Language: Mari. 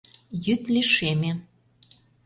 Йӱд лишеме.